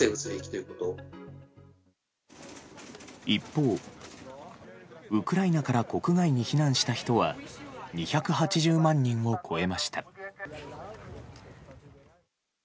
一方、ウクライナから国外に避難した人は２８０万人を超えました。